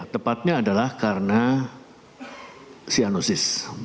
tepatnya adalah karena cyanosis